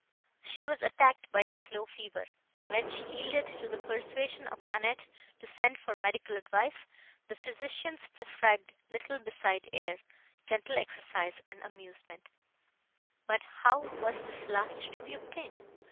She was attacked by a slow fever, and when she yielded to the persuasion of Annette to send for medical advice, the physicians prescribed little beside air, gentle exercise and amusement: but how was this last to be obtained?